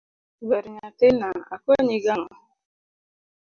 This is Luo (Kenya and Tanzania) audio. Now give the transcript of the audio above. ber nyathina akonyi gang'o?